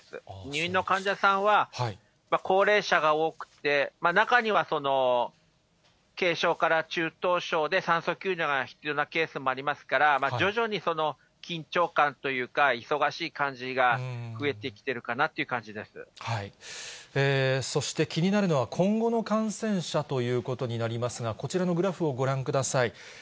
入院の患者さんは、高齢者が多くて、中には軽症から中等症で酸素吸入が必要なケースもありますから、徐々に緊張感というか、忙しい感じが増えてきてるかなっていう感そして気になるのは、今後の感染者ということになりますが、こちらのグラフをご覧ください。